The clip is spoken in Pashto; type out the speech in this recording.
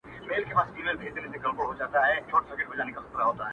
ستا د يادونو فلسفې ليكلي”